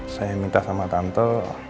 saya minta sama tante